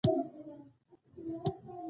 هر لیکوال یو باغوان دی.